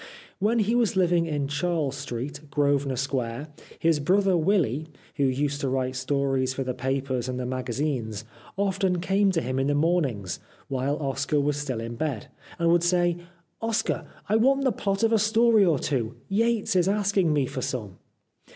When he was living in Charles Street, Grosvenor Square, his brother Willy, who used to write stories for the papers and the magazines, often came to him in the mornings, while Oscar was still in bed, and would say :" Oscar, I want the plot of a story or two. Yates is asking me for some."